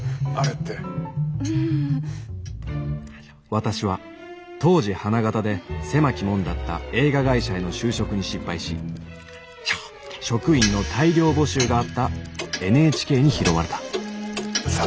私は当時花形で狭き門だった映画会社への就職に失敗し職員の大量募集があったＮＨＫに拾われたさあ。